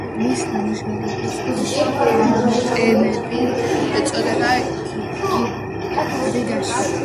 მისი ნამუშევრების გამოფენები ეწყობოდა რიგაში.